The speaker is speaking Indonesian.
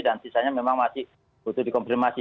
dan sisanya memang masih butuh dikomprimasi